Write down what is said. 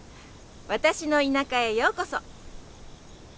私の田舎へようこそ！